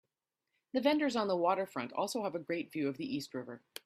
The vendors on the waterfront also have a great view of the East River.